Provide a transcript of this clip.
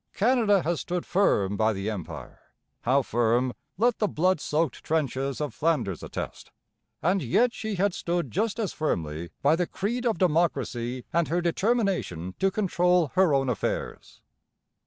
Canada has stood firm by the Empire how firm let the blood soaked trenches of Flanders attest and yet she had stood just as firmly by the creed of democracy and her determination to control her own affairs.